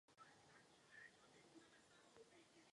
Zároveň jsou zbraně často médiem pro množství schopností povolání.